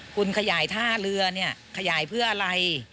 คุณขยายท่าเรือเนี่ยขยายเพื่ออะไร